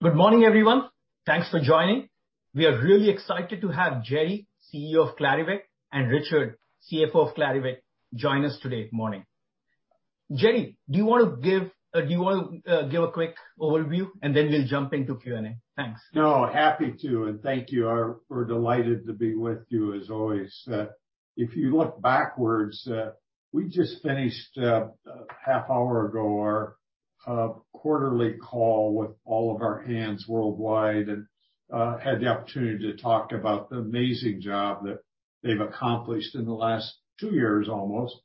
Good morning, everyone. Thanks for joining. We are really excited to have Jerre, CEO of Clarivate, and Richard, CFO of Clarivate, join us today morning. Jerre, do you wanna give a quick overview, and then we'll jump into Q&A? Thanks. No, happy to, and thank you. We're delighted to be with you as always. If you look backwards, we just finished half hour ago our quarterly call with all of our hands worldwide and had the opportunity to talk about the amazing job that they've accomplished in the last two years almost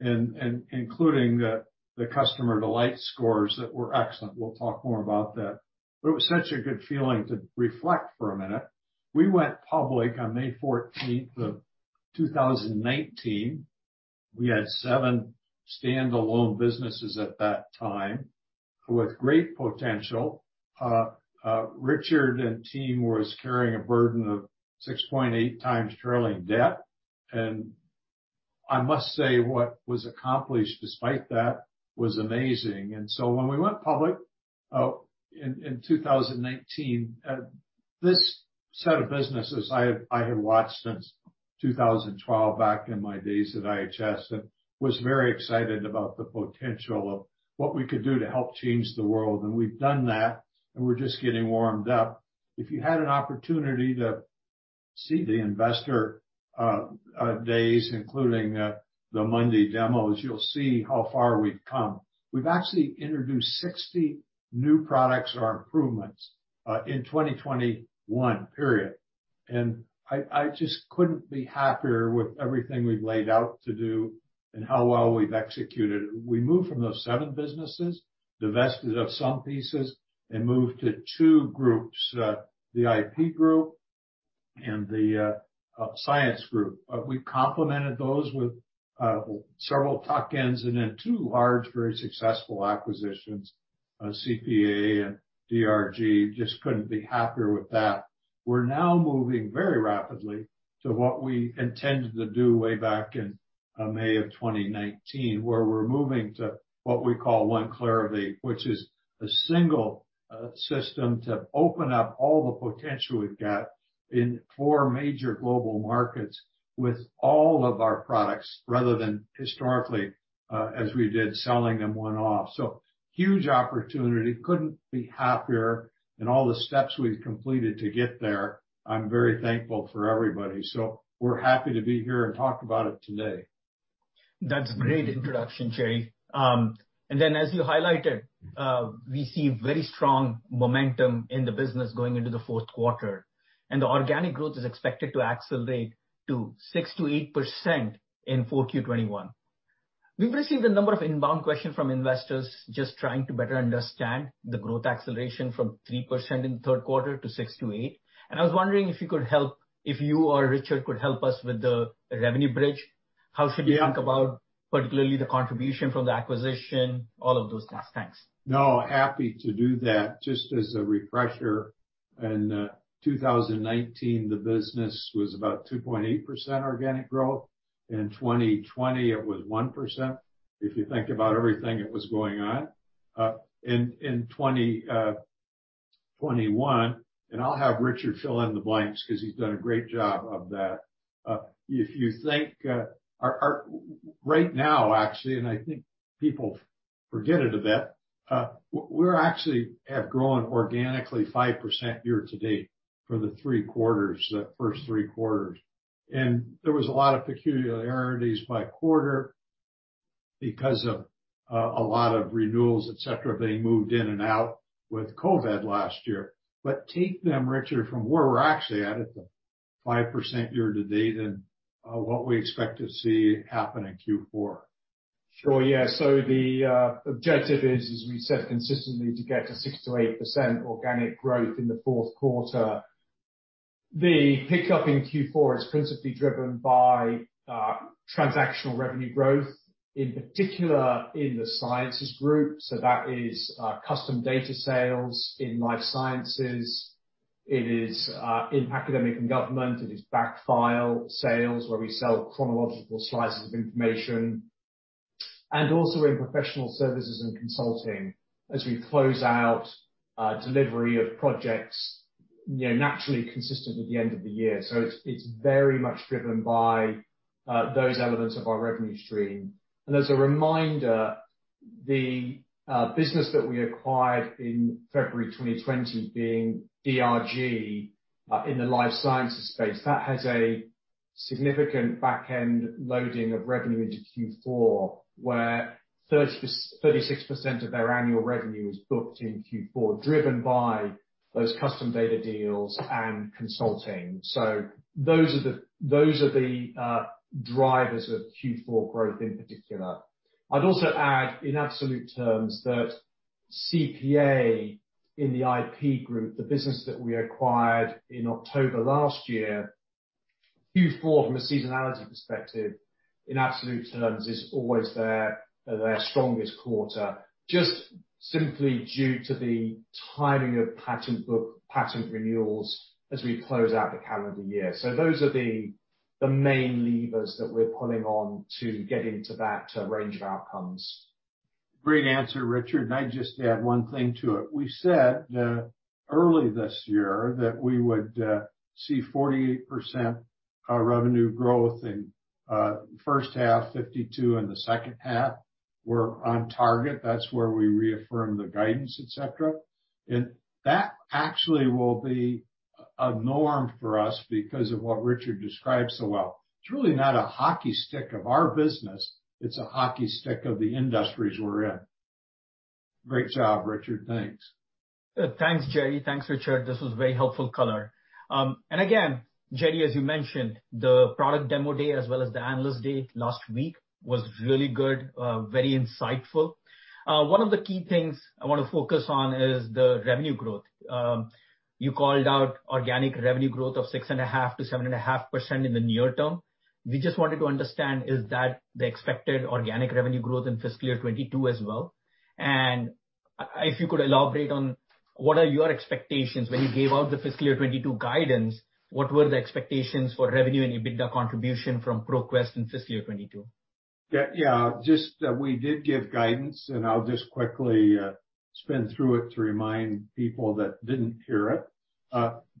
and including the customer delight scores that were excellent. We'll talk more about that. It was such a good feeling to reflect for a minute. We went public on May 14th, 2019. We had seven standalone businesses at that time with great potential. Richard and team was carrying a burden of 6.8x trailing debt. I must say, what was accomplished despite that was amazing. When we went public in 2019, this set of businesses I had watched since 2012, back in my days at IHS, and was very excited about the potential of what we could do to help change the world. We've done that, and we're just getting warmed up. If you had an opportunity to see the Investor Days, including the Monday demos, you'll see how far we've come. We've actually introduced 60 new products or improvements in 2021, period. I just couldn't be happier with everything we've laid out to do and how well we've executed. We moved from those seven businesses, divested of some pieces, and moved to two groups, the IP Group and the Science Group. We complemented those with several tuck-ins and then two large, very successful acquisitions, CPA and DRG. Just couldn't be happier with that. We're now moving very rapidly to what we intended to do way back in May of 2019, where we're moving to what we call One Clarivate, which is a single system to open up all the potential we've got in four major global markets with all of our products, rather than historically, as we did selling them one-off. Huge opportunity. Couldn't be happier in all the steps we've completed to get there. I'm very thankful for everybody. We're happy to be here and talk about it today. That's a great introduction, Jerre. As you highlighted, we see very strong momentum in the business going into the fourth quarter, and the organic growth is expected to accelerate to 6%-8% in 4Q 2021. We've received a number of inbound questions from investors just trying to better understand the growth acceleration from 3% in the third quarter to 6%-8%. I was wondering if you could help, if you or Richard could help us with the revenue bridge. Yeah. How should we think about particularly the contribution from the acquisition, all of those things? Thanks. No, happy to do that. Just as a refresher, in 2019, the business was about 2.8% organic growth. In 2020, it was 1% if you think about everything that was going on. In 2021, and I'll have Richard fill in the blanks 'cause he's done a great job of that. If you think, right now, actually, and I think people forget it a bit, we're actually have grown organically 5% year to date for the three quarters, the first three quarters. There was a lot of peculiarities by quarter because of a lot of renewals, et cetera, being moved in and out with COVID last year. Take them, Richard, from where we're actually at the 5% year to date and what we expect to see happen in Q4. Sure, yeah. The objective is, as we said, consistently to get to 6%-8% organic growth in the fourth quarter. The pickup in Q4 is principally driven by transactional revenue growth, in particular in the sciences group, so that is custom data sales in Life Sciences. It is in academic and government. It is back file sales, where we sell chronological slices of information, and also in professional services and consulting as we close out delivery of projects, you know, naturally consistent with the end of the year. It's very much driven by those elements of our revenue stream. As a reminder, the business that we acquired in February 2020 being DRG in the life sciences space, that has a significant back-end loading of revenue into Q4, where 36% of their annual revenue is booked in Q4, driven by those custom data deals and consulting. Those are the drivers of Q4 growth in particular. I'd also add in absolute terms that CPA in the IP Group, the business that we acquired in October last year, Q4 from a seasonality perspective, in absolute terms, is always their strongest quarter, just simply due to the timing of patent renewals as we close out the calendar year. Those are the main levers that we're pulling on to get into that range of outcomes. Great answer, Richard. I'd just add one thing to it. We said that early this year that we would see 48% revenue growth in first half, 52% in the second half. We're on target. That's where we reaffirm the guidance, et cetera. That actually will be a norm for us because of what Richard described so well. It's really not a hockey stick of our business, it's a hockey stick of the industries we're in. Great job, Richard. Thanks. Thanks, Jerre. Thanks, Richard. This was very helpful color. Again, Jerre, as you mentioned, the product demo day as well as the analyst day last week was really good, very insightful. One of the key things I wanna focus on is the revenue growth. You called out organic revenue growth of 6.5%-7.5% in the near term. We just wanted to understand, is that the expected organic revenue growth in fiscal year 2022 as well? If you could elaborate on what are your expectations when you gave out the fiscal year 2022 guidance, what were the expectations for revenue and EBITDA contribution from ProQuest in fiscal year 2022? Yeah, yeah. Just we did give guidance, and I'll just quickly spin through it to remind people that didn't hear it.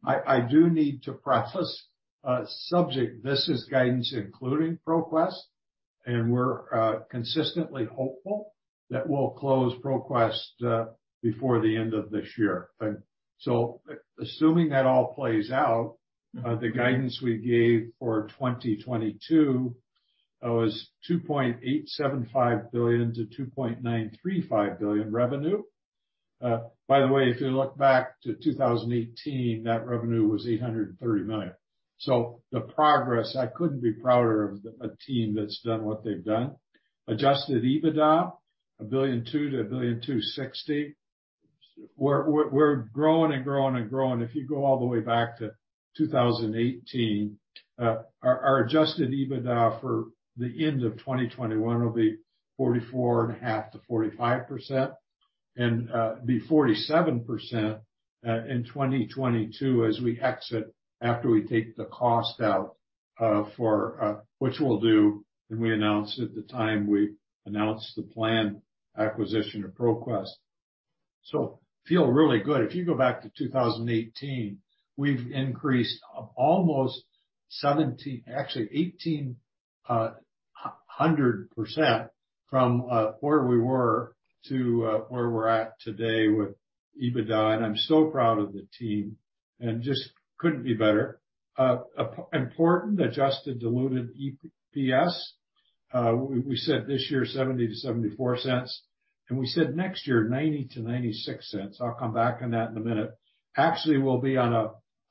I do need to preface. This is guidance including ProQuest, and we're consistently hopeful that we'll close ProQuest before the end of this year. Assuming that all plays out, the guidance we gave for 2022 was $2.875 billion-$2.935 billion revenue. By the way, if you look back to 2018, that revenue was $830 million. The progress, I couldn't be prouder of a team that's done what they've done. Adjusted EBITDA $1.2 billion-$1.26 billion. We're growing. If you go all the way back to 2018, our adjusted EBITDA for the end of 2021 will be 44.5%-45% and be 47% in 2022 as we exit after we take the cost out, for which we'll do, and we announced at the time we announced the planned acquisition of ProQuest. We feel really good. If you go back to 2018, we've increased almost 70%, actually 1,800% from where we were to where we're at today with EBITDA, and I'm so proud of the team and just couldn't be better. Important adjusted diluted EPS, we said this year $0.70-$0.74, and we said next year $0.90-$0.96. I'll come back on that in a minute. Actually, we'll be on a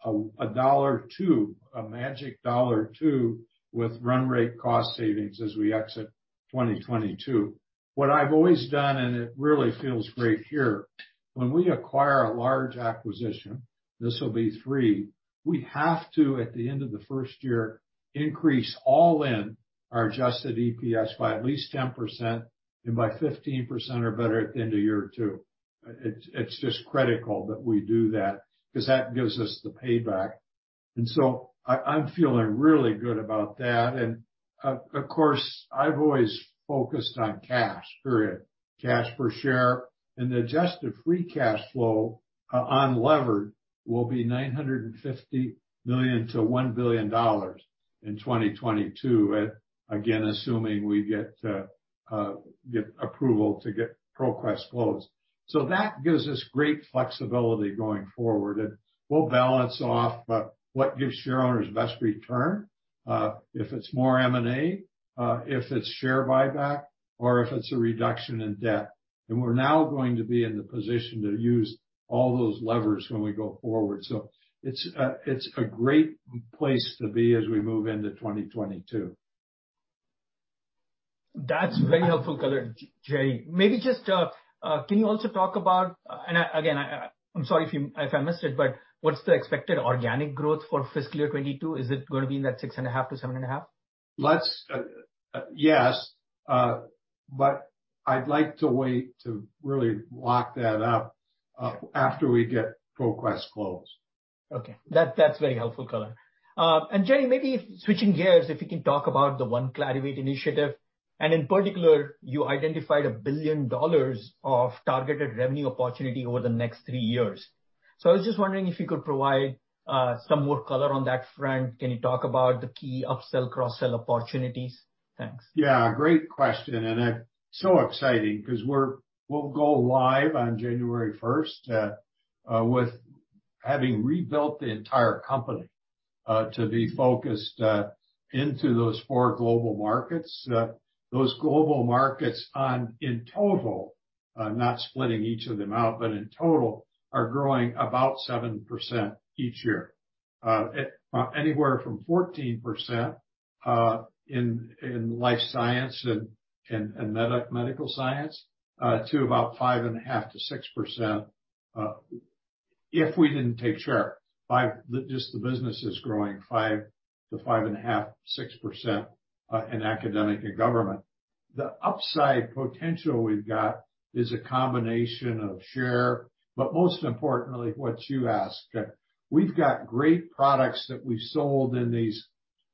$1.02, a magic $1.02 with run rate cost savings as we exit 2022. What I've always done, and it really feels great here, when we acquire a large acquisition, this will be three, we have to, at the end of the first year, increase all in our adjusted EPS by at least 10% and by 15% or better at the end of year two. It's just critical that we do that, 'cause that gives us the payback. I'm feeling really good about that. Of course, I've always focused on cash, period. Cash per share and adjusted free cash flow, unlevered, will be $950 million-$1 billion in 2022. Again, assuming we get approval to get ProQuest closed. That gives us great flexibility going forward, and we'll balance off what gives share owners best return, if it's more M&A, if it's share buyback, or if it's a reduction in debt. We're now going to be in the position to use all those levers when we go forward. It's a great place to be as we move into 2022. That's very helpful color, Jerre. Maybe just can you also talk about, and again, I'm sorry if I missed it, but what's the expected organic growth for fiscal year 2022? Is it gonna be in that 6.5%-7.5%? I'd like to wait to really lock that up after we get ProQuest closed. Okay. That's very helpful color. Jerre, maybe switching gears, if you can talk about the One Clarivate initiative, and in particular, you identified $1 billion of targeted revenue opportunity over the next three years. I was just wondering if you could provide some more color on that front. Can you talk about the key upsell, cross-sell opportunities? Thanks. Yeah, great question, and I'm so excited 'cause we'll go live on January first with having rebuilt the entire company to be focused into those four global markets. Those global markets in total, not splitting each of them out, but in total, are growing about 7% each year. Anywhere from 14% in life science and medical science to about 5.5%-6%, if we didn't take share. Just the business is growing 5%-5.5%, 6% in academic and government. The upside potential we've got is a combination of share, but most importantly, what you ask. That we've got great products that we've sold in these,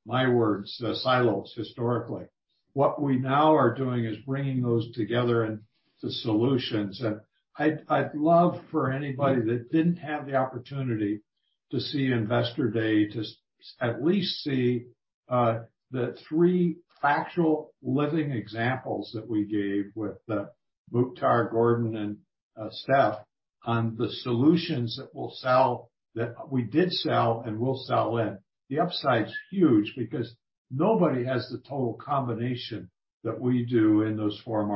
my words, silos historically. What we now are doing is bringing those together into solutions. I'd love for anybody that didn't have the opportunity to see Investor Day to at least see the three factual living examples that we gave with Mukhtar, Gordon, and Stefano on the solutions that will sell that we did sell and will sell in. The upside's huge because nobody has the total combination that we do in those four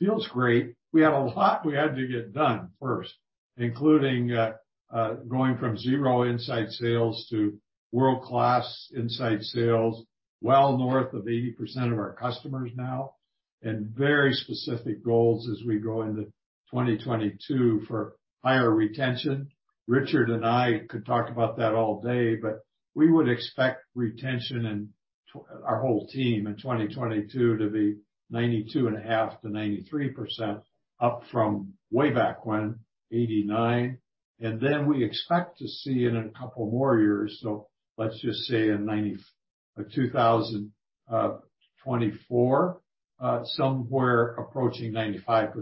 markets. Feels great. We had a lot to get done first, including going from zero inside sales to world-class inside sales, well north of 80% of our customers now, and very specific goals as we go into 2022 for higher retention. Richard and I could talk about that all day, but we would expect retention in our whole team in 2022 to be 92.5%-93%, up from way back when, 89%. We expect to see in a couple more years, so let's just say in 2024, somewhere approaching 95%.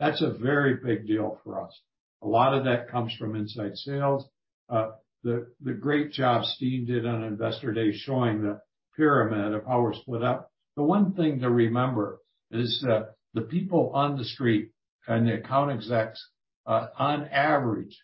That's a very big deal for us. A lot of that comes from inside sales. The great job Steve did on Investor Day, showing the pyramid of how we're split up. The one thing to remember is that the people on the street and the account execs, on average,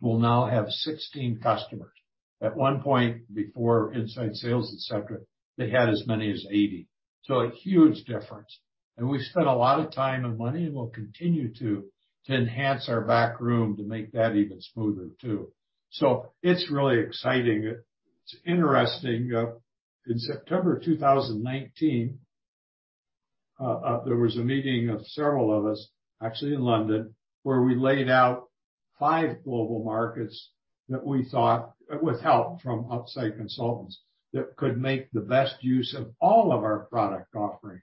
will now have 16 customers. At one point before inside sales, et cetera, they had as many as 80. A huge difference. We've spent a lot of time and money, and we'll continue to enhance our back room to make that even smoother too. It's really exciting. It's interesting in September 2019, there was a meeting of several of us, actually in London, where we laid out five global markets that we thought, with help from outside consultants, that could make the best use of all of our product offerings.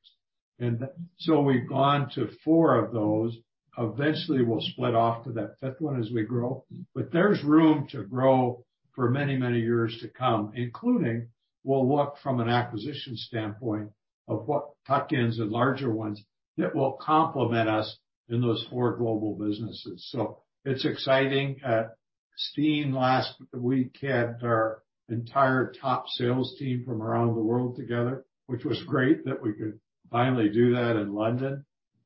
We've gone to four of those. Eventually, we'll split off to that fifth one as we grow. There's room to grow for many, many years to come, including we'll look from an acquisition standpoint of what tuck-ins and larger ones that will complement us in those four global businesses. It's exciting. Steve last week had our entire top sales team from around the world together, which was great that we could finally do that in London.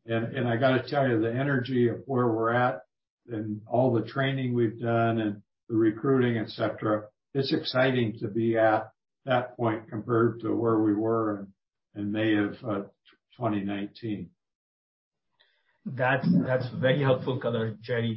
I gotta tell you, the energy of where we're at and all the training we've done and the recruiting, et cetera, it's exciting to be at that point compared to where we were in May of 2019. That's very helpful color, Jerre.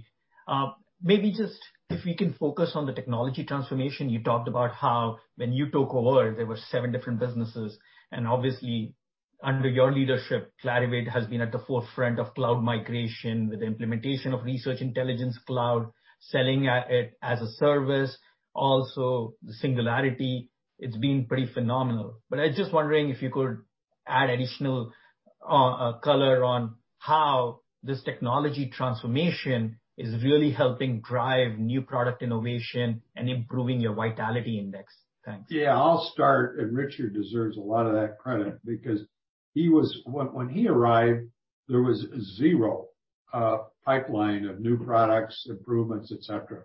Maybe just if you can focus on the technology transformation. You talked about how when you took over, there were seven different businesses, and obviously under your leadership, Clarivate has been at the forefront of cloud migration with the implementation of Research Intelligence Cloud, selling it as a service, also Singularity. It's been pretty phenomenal. I was just wondering if you could add additional color on how this technology transformation is really helping drive new product innovation and improving your Vitality Index. Thanks. Yeah, I'll start, and Richard deserves a lot of that credit because he was. When he arrived, there was zero pipeline of new products, improvements, et cetera.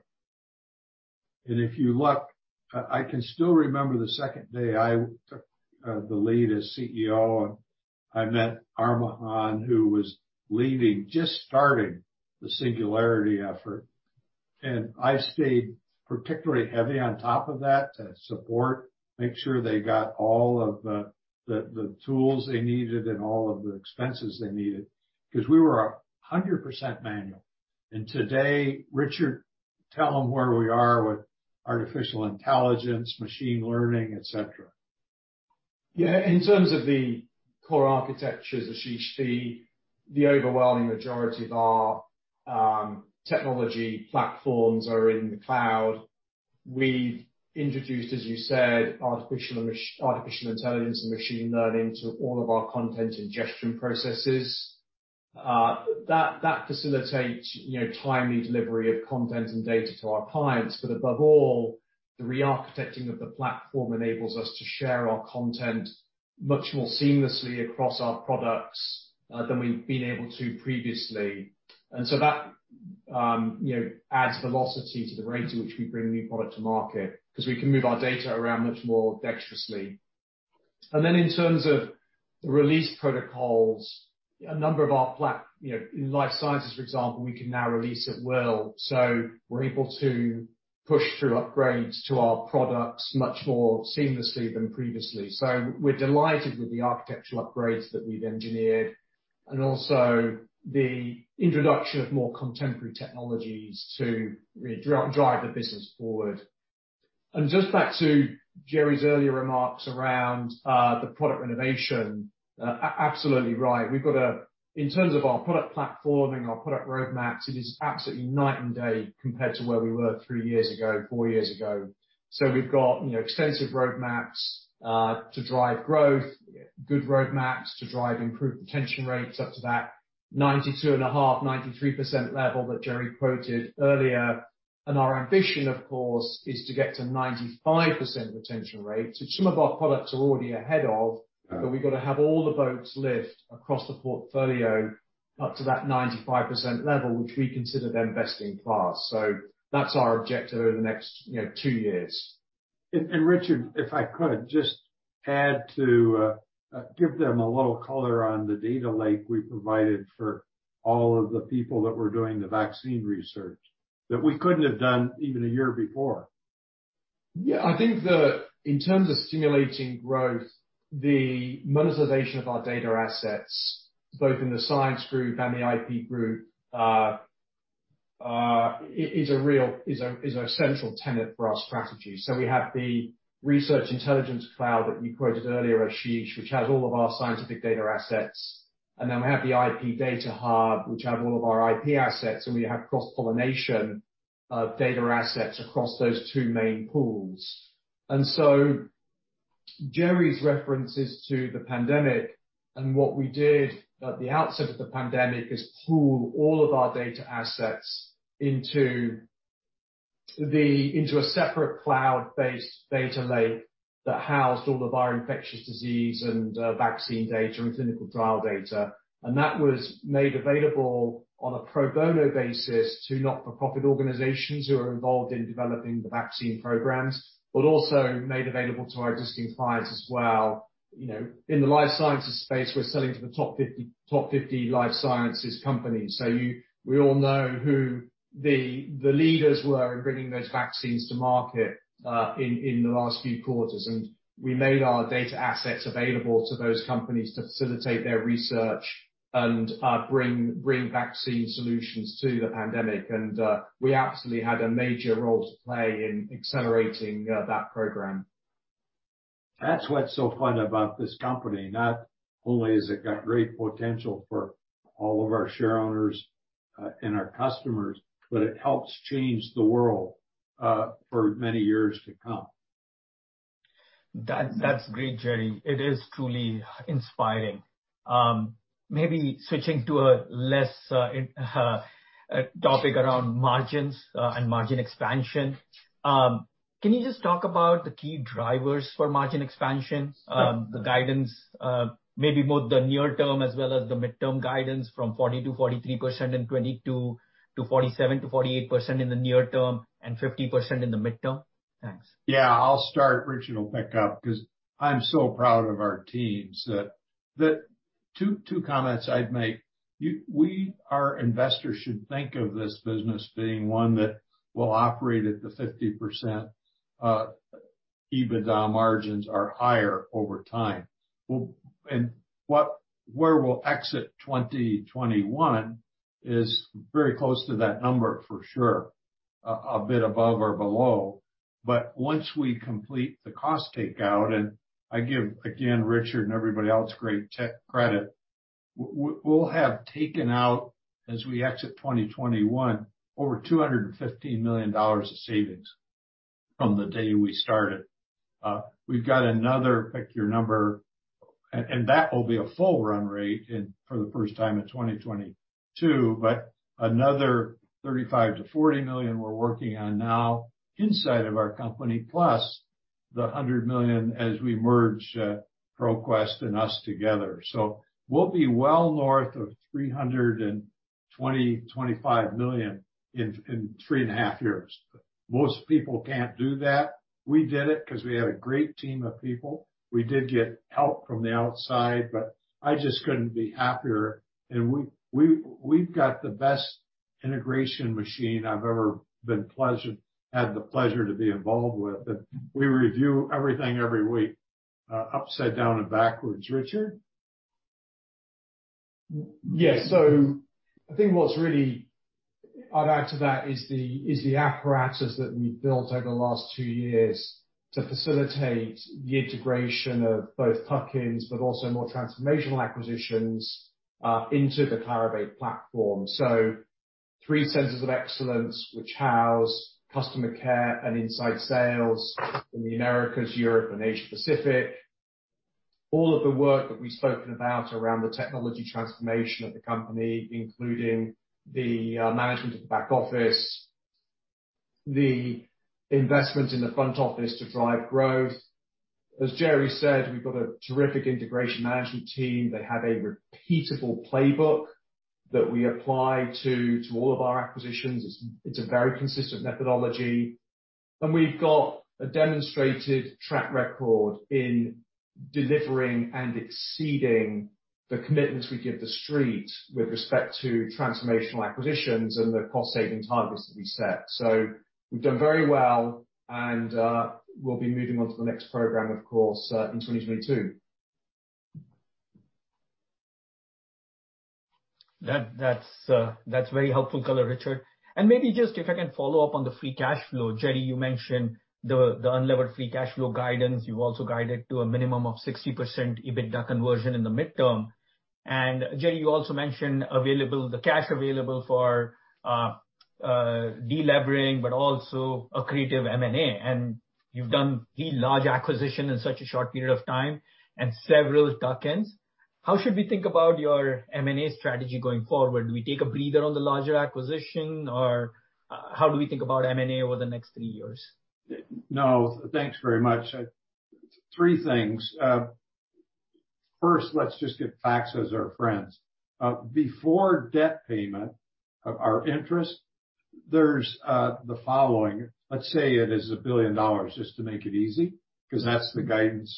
If you look, I can still remember the second day I took the lead as CEO. I met Armughan, who was leading, just starting the Singularity effort. I stayed particularly heavy on top of that to support, make sure they got all of the tools they needed and all of the expenses they needed, because we were 100% manual. Today, Richard, tell them where we are with artificial intelligence, machine learning, et cetera. Yeah. In terms of the core architectures, Ashish, the overwhelming majority of our technology platforms are in the cloud. We've introduced, as you said, artificial intelligence and machine learning to all of our content ingestion processes. That facilitates, you know, timely delivery of content and data to our clients. Above all, the re-architecting of the platform enables us to share our content much more seamlessly across our products than we've been able to previously. That, you know, adds velocity to the rate at which we bring new product to market, 'cause we can move our data around much more dexterously. In terms of the release protocols, a number of our platforms. You know, in Life Sciences, for example, we can now release at will. We're able to push through upgrades to our products much more seamlessly than previously. We're delighted with the architectural upgrades that we've engineered, and also the introduction of more contemporary technologies to drive the business forward. Just back to Jerre's earlier remarks around the product renovation. Absolutely right. We've got in terms of our product platform and our product roadmaps, it is absolutely night and day compared to where we were three years ago, four years ago. We've got, you know, extensive roadmaps to drive growth. Good roadmaps to drive improved retention rates up to that 92.5%-93% level that Jerre quoted earlier. Our ambition, of course, is to get to 95% retention rate, which some of our products are already ahead of. Yeah. We've got to have all the boats lift across the portfolio up to that 95% level, which we consider them best in class. That's our objective over the next, you know, two years. Richard, if I could just give them a little color on the data lake we provided for all of the people that were doing the vaccine research that we couldn't have done even a year before. Yeah. I think in terms of stimulating growth, the monetization of our data assets, both in the science group and the IP group, is a real central tenet for our strategy. We have the research intelligence cloud that you quoted earlier, Ashish, which has all of our scientific data assets. Then we have the IP data hub, which have all of our IP assets, and we have cross-pollination of data assets across those two main pools. Jerre's references to the pandemic and what we did at the outset of the pandemic is pool all of our data assets into a separate cloud-based data lake that housed all of our infectious disease and vaccine data and clinical trial data. That was made available on a pro bono basis to not-for-profit organizations who are involved in developing the vaccine programs, but also made available to our existing clients as well. You know, in the life sciences space, we're selling to the top 50, top 50 life sciences companies. We all know who the leaders were in bringing those vaccines to market, in the last few quarters. We made our data assets available to those companies to facilitate their research and bring vaccine solutions to the pandemic. We absolutely had a major role to play in accelerating that program. That's what's so fun about this company. Not only has it got great potential for all of our shareowners and our customers, but it helps change the world for many years to come. That's great, Jerre. It is truly inspiring. Maybe switching to a topic around margins and margin expansion. Can you just talk about the key drivers for margin expansion? The guidance, maybe both the near term as well as the midterm guidance from 40%-43% in 2022 to 47%-48% in the near term and 50% in the midterm. Thanks. Yeah, I'll start. Richard will pick up 'cause I'm so proud of our teams that two comments I'd make. Our investors should think of this business being one that will operate at the 50% EBITDA margins or higher over time. Where we'll exit 2021 is very close to that number for sure, a bit above or below. Once we complete the cost takeout, and I give again, Richard and everybody else, great tech credit. We'll have taken out as we exit 2021 over $215 million of savings from the day we started. We've got another, pick your number, and that will be a full run rate in for the first time in 2022, but another $35 million-$40 million we're working on now inside of our company, plus the $100 million as we merge ProQuest and us together. We'll be well north of $325 million in three and a half years. Most people can't do that. We did it 'cause we had a great team of people. We did get help from the outside, but I just couldn't be happier. We've got the best integration machine I've ever had the pleasure to be involved with. We review everything every week upside down and backwards. Richard? Yes. I think what's really I'd add to that is the apparatus that we've built over the last two years to facilitate the integration of both tuck-ins, but also more transformational acquisitions into the Clarivate platform. Three centers of excellence, which house customer care and inside sales in the Americas, Europe, and Asia-Pacific. All of the work that we've spoken about around the technology transformation of the company, including the management of the back office, the investment in the front office to drive growth. As Jerre said, we've got a terrific integration management team. They have a repeatable playbook that we apply to all of our acquisitions. It's a very consistent methodology, and we've got a demonstrated track record in delivering and exceeding the commitments we give the street with respect to transformational acquisitions and the cost-saving targets that we set. We've done very well, and we'll be moving on to the next program, of course, in 2022. That's very helpful color, Richard. Maybe just if I can follow up on the free cash flow. Jerre, you mentioned the unlevered free cash flow guidance. You've also guided to a minimum of 60% EBITDA conversion in the midterm. Jerre, you also mentioned the cash available for de-levering, but also accretive M&A. You've done the large acquisition in such a short period of time and several tuck-ins. How should we think about your M&A strategy going forward? Do we take a breather on the larger acquisition or how do we think about M&A over the next three years? No, thanks very much. Three things. First, let's just get facts as our friends. Before debt payment of our interest, there's the following. Let's say it is $1 billion, just to make it easy, 'cause that's the guidance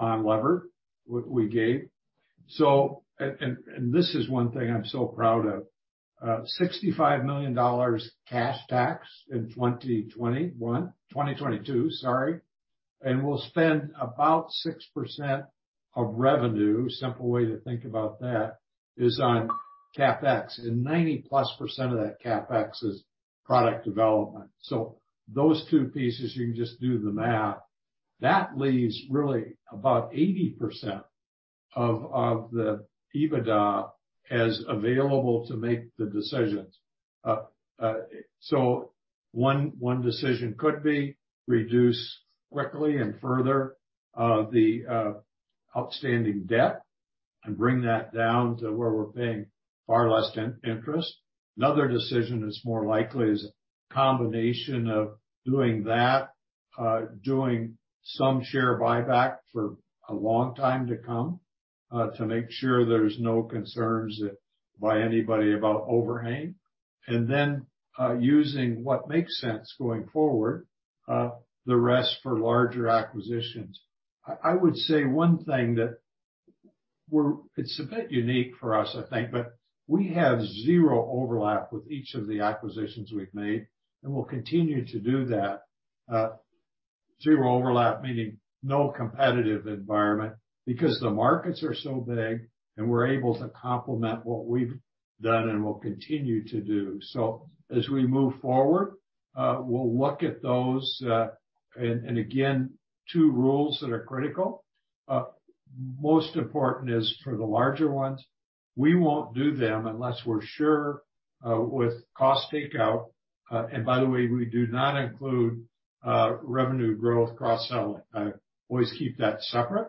on leverage we gave. This is one thing I'm so proud of, $65 million cash tax in 2021, 2022, sorry, and we'll spend about 6% of revenue. Simple way to think about that is on CapEx. Ninety plus percent of that CapEx is product development. Those two pieces, you can just do the math. That leaves really about 80% of the EBITDA as available to make the decisions. One decision could be reduce quickly and further the outstanding debt and bring that down to where we're paying far less in interest. Another decision more likely a combination of doing that, doing some share buyback for a long time to come to make sure there's no concerns by anybody about overhang. Using what makes sense going forward, the rest for larger acquisitions. I would say one thing that it's a bit unique for us, I think, but we have zero overlap with each of the acquisitions we've made, and we'll continue to do that. Zero overlap, meaning no competitive environment, because the markets are so big and we're able to complement what we've done and will continue to do. As we move forward, we'll look at those, and again, two rules that are critical. Most important is for the larger ones. We won't do them unless we're sure with cost takeout. By the way, we do not include revenue growth cross-selling. I always keep that separate.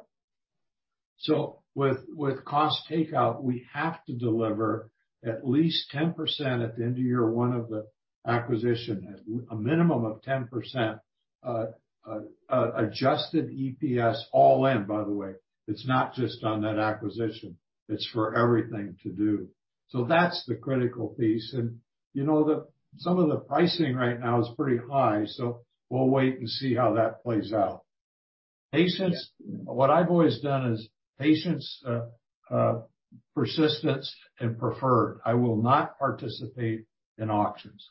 With cost takeout, we have to deliver at least 10% at the end of year one of the acquisition. A minimum of 10%, adjusted EPS all in, by the way. It's not just on that acquisition, it's for everything to do. That's the critical piece. You know, some of the pricing right now is pretty high, so we'll wait and see how that plays out. Patience. What I've always done is patience, persistence and preferred. I will not participate in auctions.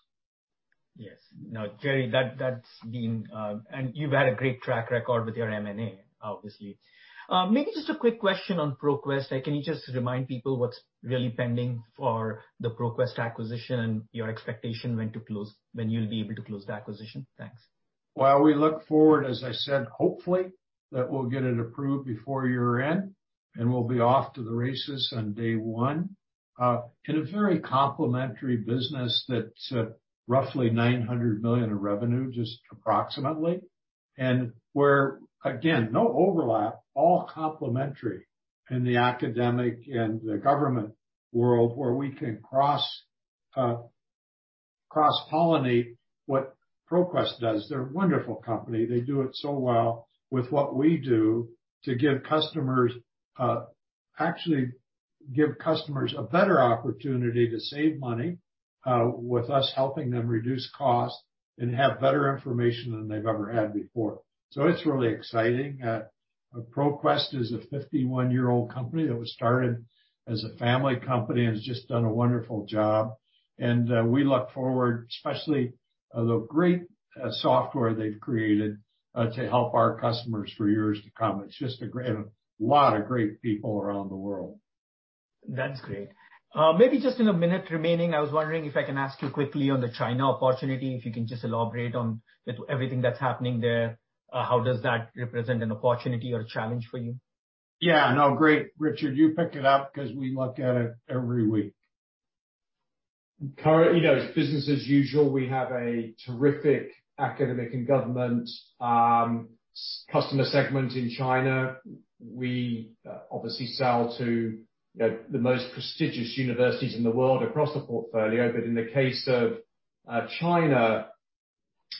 Yes. No, Jerre, that's been, and you've had a great track record with your M&A, obviously. Maybe just a quick question on ProQuest. Can you just remind people what's really pending for the ProQuest acquisition, your expectation when to close, when you'll be able to close the acquisition? Thanks. Well, we look forward, as I said, hopefully, that we'll get it approved before year-end, and we'll be off to the races on day one. In a very complementary business that's roughly $900 million of revenue, just approximately. We're, again, no overlap, all complementary in the academic and the government world where we can cross-pollinate what ProQuest does. They're a wonderful company. They do it so well with what we do to give customers, actually give customers a better opportunity to save money, with us helping them reduce costs and have better information than they've ever had before. It's really exciting. ProQuest is a 51-year-old company that was started as a family company and has just done a wonderful job. We look forward, especially the great software they've created to help our customers for years to come. It's just a lot of great people around the world. That's great. Maybe just in a minute remaining, I was wondering if I can ask you quickly on the China opportunity, if you can just elaborate on everything that's happening there. How does that represent an opportunity or a challenge for you? Yeah. No, great. Richard, you pick it up because we look at it every week. Currently, you know, it's business as usual. We have a terrific academic and government customer segment in China. We obviously sell to, you know, the most prestigious universities in the world across the portfolio. In the case of China,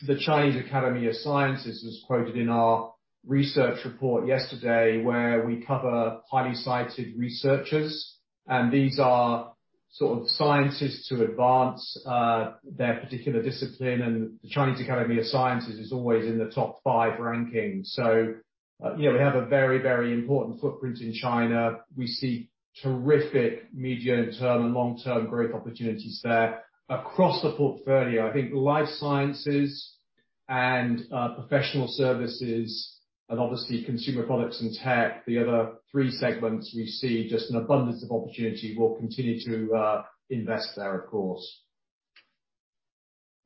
the Chinese Academy of Sciences is quoted in our research report yesterday, where we cover highly cited researchers, and these are sort of scientists to advance their particular discipline. The Chinese Academy of Sciences is always in the top five ranking. We have a very, very important footprint in China. We see terrific medium-term and long-term growth opportunities there. Across the portfolio, I think Life Sciences and professional services and obviously consumer products and tech, the other three segments, we see just an abundance of opportunity. We'll continue to invest there, of course.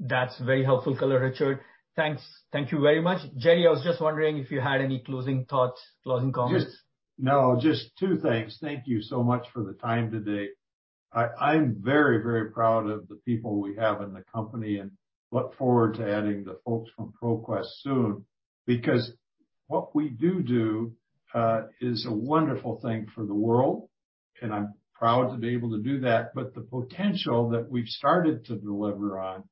That's very helpful color, Richard. Thanks. Thank you very much. Jerre, I was just wondering if you had any closing thoughts, closing comments. No, just two things. Thank you so much for the time today. I'm very, very proud of the people we have in the company and look forward to adding the folks from ProQuest soon, because what we do is a wonderful thing for the world, and I'm proud to be able to do that. The potential that we've started to deliver on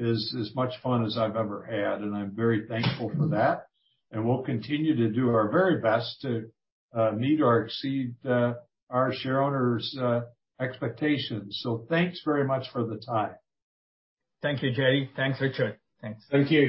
is as much fun as I've ever had, and I'm very thankful for that. We'll continue to do our very best to meet or exceed our share owners expectations. Thanks very much for the time. Thank you, Jerre. Thanks, Richard. Thanks. Thank you.